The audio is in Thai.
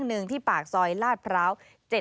ฟังเสียงอาสามูลละนิทีสยามร่วมใจ